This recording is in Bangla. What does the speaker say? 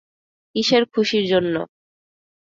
কীসের খুশির জন্য?